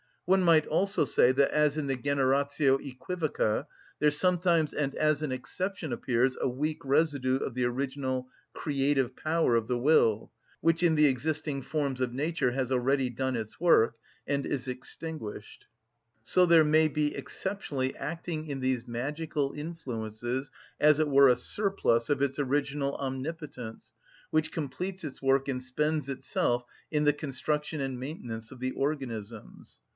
One might also say that as in the generatio æquivoca there sometimes and as an exception appears a weak residue of the original creative power of the will, which in the existing forms of nature has already done its work and is extinguished, so there may be, exceptionally, acting in these magical influences, as it were, a surplus of its original omnipotence, which completes its work and spends itself in the construction and maintenance of the organisms.